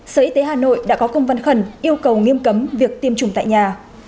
sở y tế hà nội đã có công văn khẩn yêu cầu nghiêm cấm việc tiêm chủng tại nhà